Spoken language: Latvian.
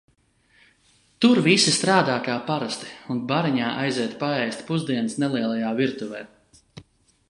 Tur visi strādā kā parasti un bariņā aiziet paēst pusdienas nelielajā virtuvē.